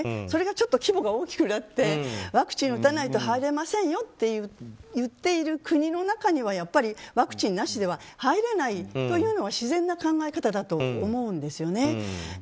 それが規模が大きくなってワクチンを打たないとは入れませんといっている国にはやっぱりワクチンなしでは入れないというのは自然な考え方だと思うんですよね。